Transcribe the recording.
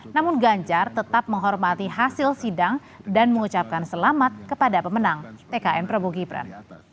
namun ganjar tetap menghormati hasil sidang dan mengucapkan selamat kepada pemenang tkn prabowo gibran